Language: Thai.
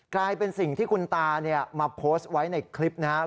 กลายเป็นสิ่งที่คุณตามาโพสต์ไว้ในคลิปนะครับ